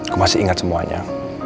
gue masih inget semuanya